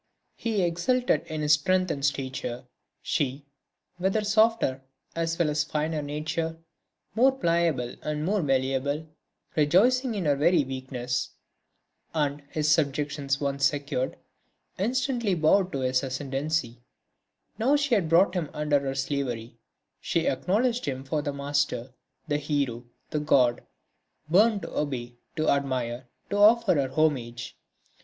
He exulted in his strength and stature. She, with her softer as well as finer nature, more pliable and more malleable, rejoiced in her very weakness and, his subjection once secured, instantly bowed to his ascendancy; now she had brought him under her slavery, she acknowledged him for the master, the hero, the god, burned to obey, to admire, to offer her homage.